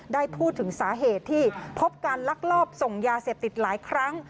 ได้พูดถึงสาเหตุที่พบการลักลอบส่งยาเสพติดหลายครั้ง